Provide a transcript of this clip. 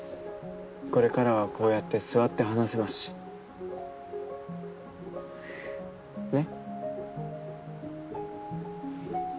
これからはこうやって座って話せますし。ね？